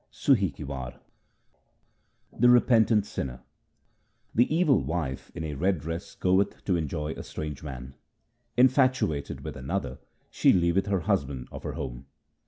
Sum ki War The repentant sinner :— The evil wife in a red dress goeth to enjoy a strange man. Infatuated with another she leaveth the husband of her home.